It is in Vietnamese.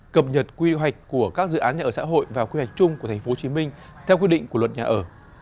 cập nhật quy hoạch của các dự án nhà ở xã hội vào quy hoạch chung của tp hcm theo quy định của luật nhà ở